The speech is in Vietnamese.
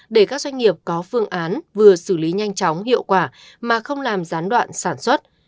để các doanh nghiệp có phương án vừa xử lý nhanh chóng hiệu quả mà không làm gián đoạn sản xuất